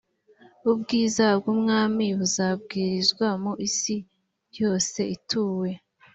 ubwiza bw’ubwami buzabwirizwa mu isi yose ituwe